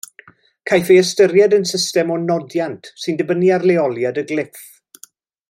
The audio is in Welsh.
Caiff ei ystyried yn system o nodiant sy'n dibynnu ar leoliad y glyff.